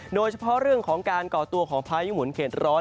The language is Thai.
โดยเฉพาะเรื่องของการก่อตัวของพายุหมุนเข็ดร้อน